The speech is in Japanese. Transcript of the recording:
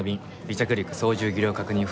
離着陸操縦技量確認